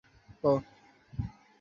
অসংখ্য মানবসৃষ্ট বিপদও রয়েছে।